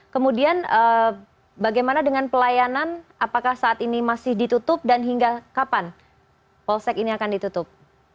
kemudian bagaimana dengan pelayanan apakah saat ini masih ditutup dan hingga kapan polsek ini akan ditutup